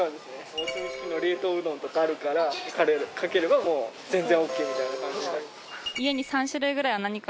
「お墨付き」の冷凍うどんとかあるからカレーかければもう全然オーケーみたいな感じになる。